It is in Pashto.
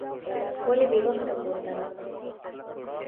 ولې بې وخته کور ته راغلی دی.